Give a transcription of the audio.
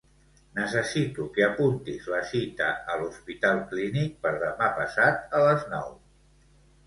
Necessito que apuntis la cita a l'Hospital Clínic per demà passat a les nou.